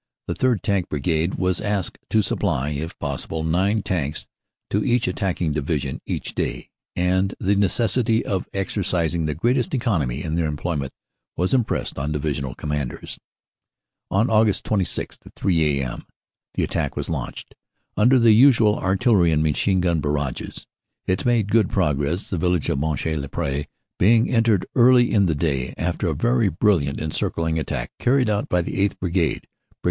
The 3rd. Tank Brigade was asked to supply, if possible, nine Tanks to each attacking Division each day, and the necessity of exer cising the greatest economy in their employment was impressed on Divisional Commanders. 124 CANADA S HUNDRED DAYS "On Aug. 26, at 3 a.m., the attack was launched under the usual artillery and machine gun barrages. It made good pro gress, the village of Monchy le Preux being entered early in the day, after a very brilliant encircling attack carried out by the 8th. Brigade (Brig.